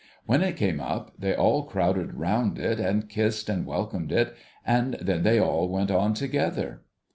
When it came up, they all crowded round it, and kissed and welcomed it ; and then they all went on together.